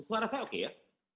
suara saya oke ya